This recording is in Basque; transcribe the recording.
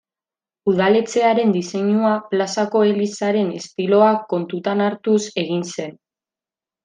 Udaletxearen diseinua plazako elizaren estiloa kontutan hartuz egin zen.